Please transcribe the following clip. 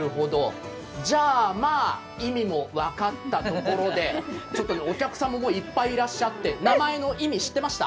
じゃーま、意味も分かったところでお客さんももういっぱいいらっしゃって、名前の意味、知ってました？